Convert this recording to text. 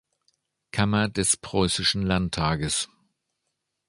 Kammer des Preußischen Landtages.